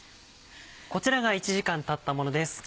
こちらが１時間たったものです。